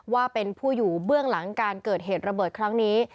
ว่าเป็นผู้อยู่เบื้องหลังการเกิดเหตุระเบิดครั้งนี้